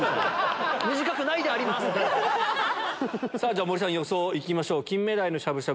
じゃ森さん予想いきましょう。